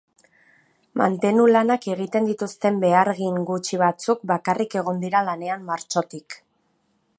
Mantenu lanak egiten dituzten behargin gutxi batzuk bakarrik egon dira lanean martxotik.